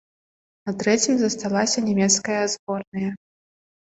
На трэцім засталася нямецкая зборная.